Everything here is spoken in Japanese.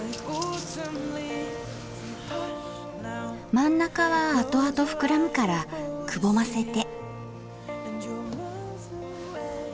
真ん中はあとあと膨らむからくぼませて。